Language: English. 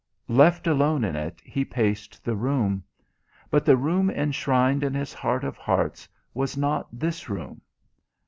Left alone in it he paced the room. But the room enshrined in his heart of hearts was not this room.